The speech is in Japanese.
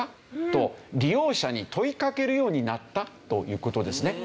と利用者に問いかけるようになったという事ですね。